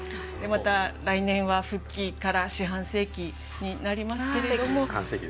また来年は復帰から四半世紀になりますけれども。